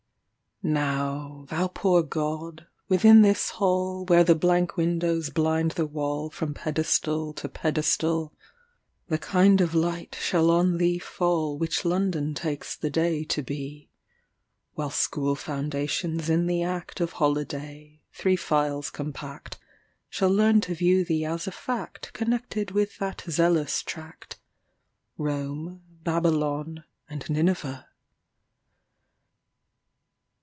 Now, thou poor god, within this hallWhere the blank windows blind the wallFrom pedestal to pedestal, The kind of light shall on thee fallWhich London takes the day to be:While school foundations in the actOf holiday, three files compact, Shall learn to view thee as a factConnected with that zealous tract:"Rome,—Babylon and Nineveh."